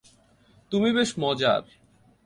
তুমি বেশ মজার!